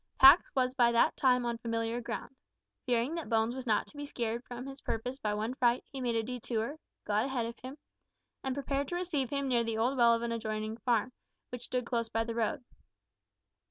Pax was by that time on familiar ground. Fearing that Bones was not to be scared from his purpose by one fright, he made a detour, got ahead of him, and prepared to receive him near the old well of an adjoining farm, which stood close by the road.